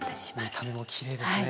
見た目もきれいですね。